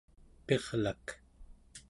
pirlak